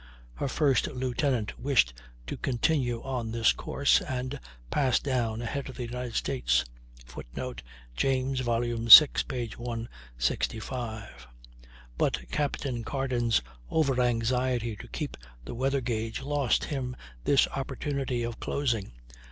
Her first lieutenant wished to continue on this course and pass down ahead of the United States, [Footnote: James, vi. 165.] but Capt. Carden's over anxiety to keep the weather gage lost him this opportunity of closing.